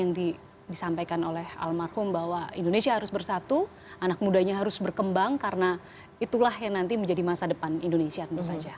yang disampaikan oleh almarhum bahwa indonesia harus bersatu anak mudanya harus berkembang karena itulah yang nanti menjadi masa depan indonesia tentu saja